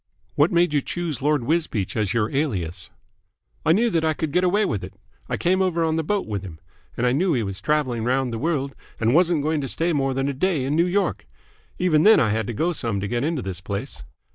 "What made you choose Lord Wisbeach as your alias?" "I knew that I could get away with it. I came over on the boat with him, and I knew he was travelling round the world and wasn't going to stay more than a day in New York. Even then I had to go some to get into this place.